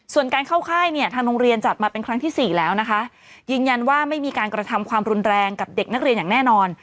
ส่วนการเข้าค่ายเนี่ยทางโรงเรียนจัดมาเป็นครั้งที่สี่แล้วนะคะยืนยันว่าไม่มีการกระทำความรุนแรงกับเด็กนักเรียนอย่างแน่นอน